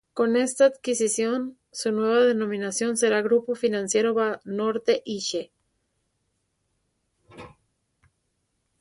Con esta adquisición, su nueva denominación será "Grupo Financiero Banorte-Ixe"